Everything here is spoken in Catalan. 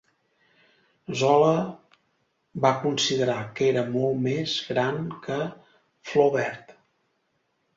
Zola va considerar que era molt més gran que Flaubert.